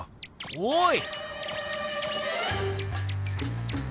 おい！